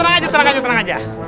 udah tenang aja tenang aja